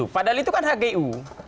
padahal itu kan hgu